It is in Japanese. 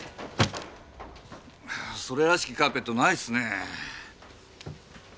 それらしきカーペットないっすねえ。